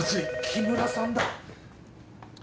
木村さんだ。